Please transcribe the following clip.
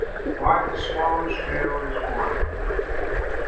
WHY THE SWALLOW'S TAIL IS FORKED.